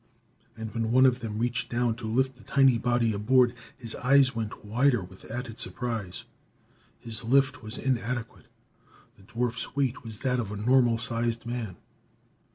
And when one of them reached down to lift the tiny body aboard, his eyes went wider with added surprise. His lift was inadequate. The dwarf's weight was that of a normal sized man!